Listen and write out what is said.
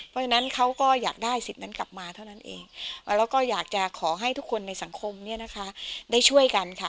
เพราะฉะนั้นเขาก็อยากได้สิทธิ์นั้นกลับมาเท่านั้นเองแล้วก็อยากจะขอให้ทุกคนในสังคมเนี่ยนะคะได้ช่วยกันค่ะ